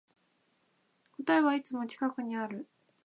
答えはいつも近くにある